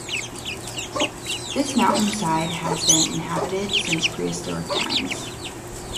This mountainside has been inhabited since prehistoric times.